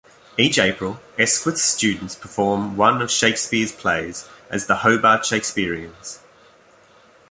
Each April, Esquith's students perform one of Shakespeare's plays as "The Hobart Shakespeareans".